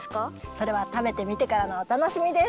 それはたべてみてからのおたのしみです。